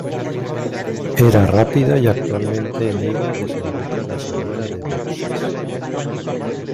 Era rápida y actualmente en ella desemboca la salida de boxes.